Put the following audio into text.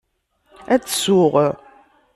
Ad tsuɣ.